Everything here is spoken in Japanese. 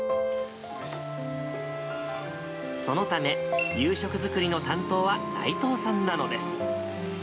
そのため夕食作りの担当は内藤さんなのです。